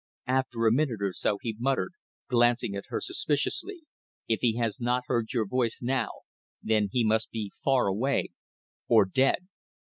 After a minute or so he muttered, glancing at her suspiciously "If he has not heard your voice now, then he must be far away or dead."